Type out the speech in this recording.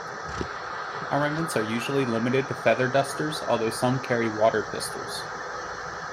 'Armaments' are usually limited to feather dusters, although some carry water pistols.